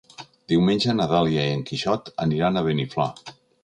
Diumenge na Dàlia i en Quixot aniran a Beniflà.